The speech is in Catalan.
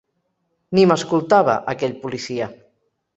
Ni m’escoltava, aquell policia.